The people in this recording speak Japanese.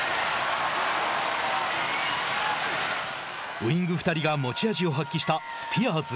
ウイング２人が持ち味を発揮したスピアーズ。